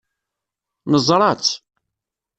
Neẓra-tt.